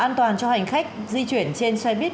an toàn cho hành khách di chuyển trên xe buýt